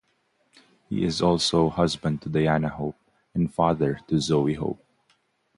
He is also husband to Diana Hope and father to Zoie Hope.